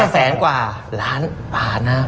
แสนกว่าล้านบาทนะ